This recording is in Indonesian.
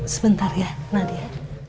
sebentar ya nadia